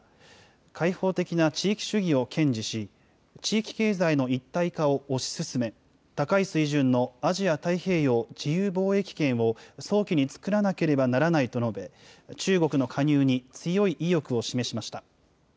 開放的な地域主義を堅持し、地域経済の一体化を推し進め、高い水準のアジア太平洋自由貿易圏を早期に作らなければならないと述べ、中国の加入に強い意欲を示しました。